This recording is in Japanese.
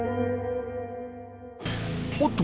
おっと！